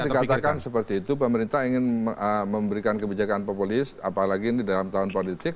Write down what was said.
kalau dikatakan seperti itu pemerintah ingin memberikan kebijakan populis apalagi ini dalam tahun politik